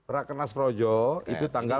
rakenas projo itu tanggal empat belas